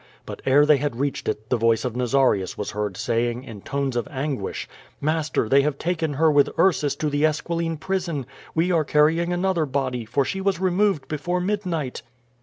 But ere they had reached it, the voice of Nazarius was heard saying, in tones of anguish: "Mas ter, they have taken her with Ursus to the Esquiline prison. We are carrying another body, for she was removed before midnight.